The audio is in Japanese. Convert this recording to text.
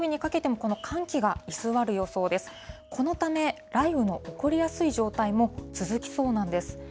このため、雷雨の起こりやすい状態も続きそうなんです。